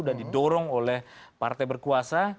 dan didorong oleh partai berkuasa